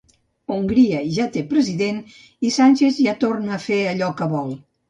Hongria ja té president i Sánchez ja torna a fer allò que vol.